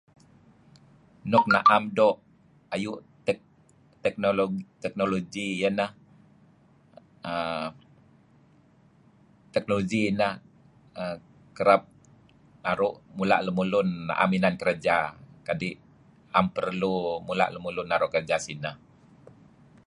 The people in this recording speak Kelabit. Nuk na'em doo ayu' technology ineh err technology ineh kereb naru' mula' lemulun na'em inan kerja kadi' na'em perlu mula' lemulun naru' kerja sineh.